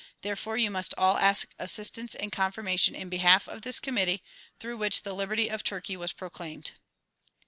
Therefore you must all ask assistance and con firmation in behalf of this Committee through which the liberty of Turkey was proclaimed.